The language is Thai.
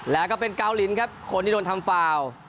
แล้วก็เป็นเกาหลินครับคนที่โดนทำฟาว